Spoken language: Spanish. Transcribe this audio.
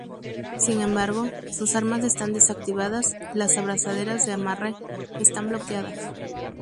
Sin embargo, sus armas están desactivadas y las abrazaderas de amarre están bloqueadas.